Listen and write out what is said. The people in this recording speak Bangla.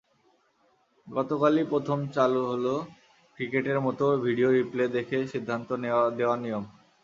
গতকালই প্রথম চালু হলো ক্রিকেটের মতো ভিডিও রিপ্লে দেখে সিদ্ধান্ত দেওয়ার নিয়ম।